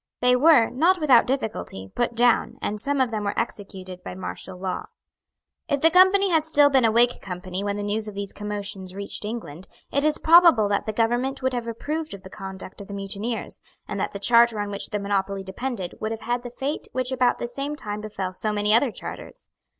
They were, not without difficulty, put down; and some of them were executed by martial law. If the Company had still been a Whig Company when the news of these commotions reached England, it is probable that the government would have approved of the conduct of the mutineers, and that the charter on which the monopoly depended would have had the fate which about the same time befell so many other charters.